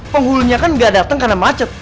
penghulunya kan gak dateng karena macet